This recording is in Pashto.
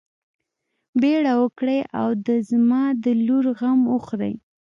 بيړه وکړئ او د زما د لور غم وخورئ.